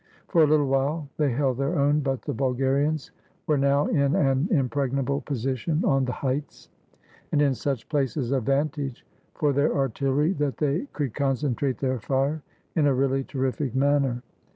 For a little while they held their own, but the Bul garians were now in an impregnable position on the heights, and in such places of vantage for their artillery that they could concentrate their fire in a really terrific manner.